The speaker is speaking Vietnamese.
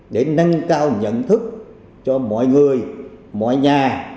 để nâng cao nhận thức cho mọi người mọi nhà